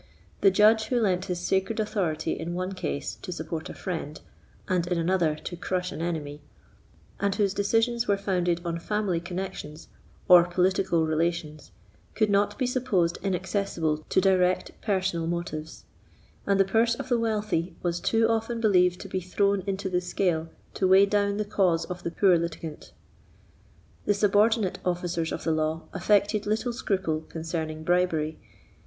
The judge who lent his sacred authority in one case to support a friend, and in another to crush an enemy, and whose decisions were founded on family connexions or political relations, could not be supposed inaccessible to direct personal motives; and the purse of the wealthy was too often believed to be thrown into the scale to weigh down the cause of the poor litigant. The subordinate officers of the law affected little scruple concerning bribery.